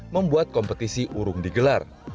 membuat kompetisi urung digelar